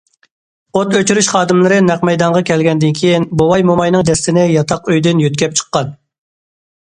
ئوت ئۆچۈرۈش خادىملىرى نەق مەيدانغا كەلگەندىن كېيىن، بوۋاي- موماينىڭ جەسىتىنى ياتاق ئۆيدىن يۆتكەپ چىققان.